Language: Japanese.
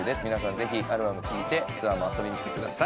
ぜひアルバム聴いてツアーも遊びに来てください。